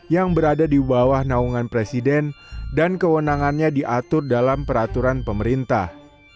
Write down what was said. yang berada di bawah naungan presiden dan kewenangannya diatur dalam peraturan pemerintah